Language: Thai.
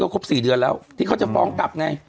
ครบ๔เดือนแล้วที่เขาจะฟ้องกลับไง